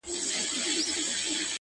سم لكه ماهى يو سمندر تر ملا تړلى يم”